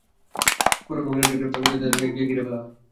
পুরো কাফেলাটি গ্রেফতার করতে তাদেরকে এক জায়গায় ঘিরে ফেলা হয়।